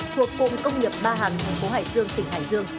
thuộc cụng công nghiệp ba hàn thành phố hải dương tỉnh hải dương